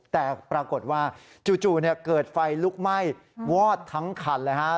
แต่ปรากฏว่าจู่เกิดไฟลุกไหม้วอดทั้งคันเลยฮะ